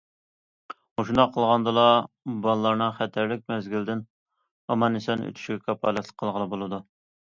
مۇشۇنداق قىلغاندىلا، بالىلارنىڭ خەتەرلىك مەزگىلدىن ئامان- ئېسەن ئۆتۈشىگە كاپالەتلىك قىلغىلى بولىدۇ.